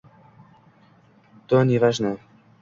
To Nevajno